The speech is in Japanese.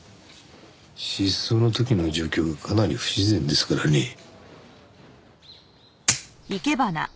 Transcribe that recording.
失踪の時の状況がかなり不自然ですからね。